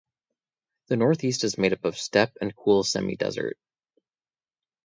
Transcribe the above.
The northeast is made up of steppe and cool semi-desert.